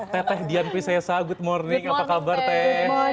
tetek dian pisayasa good morning apa kabar teh